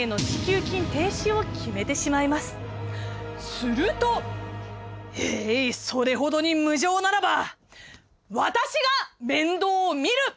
すると『えいそれほどに無情ならば私が面倒を見る！』。